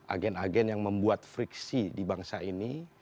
agen agen yang membuat friksi di bangsa ini